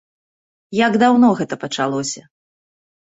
Як даўно гэта пачалося?